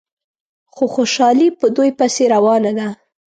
خو خوشحالي په دوی پسې روانه ده.